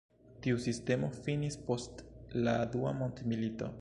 Tiu sistemo finis post la Dua Mondmilito.